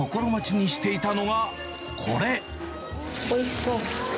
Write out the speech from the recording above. おいしそう。